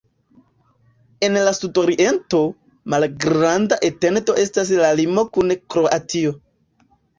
En la sudoriento, malgranda etendo estas la limo kun Kroatio.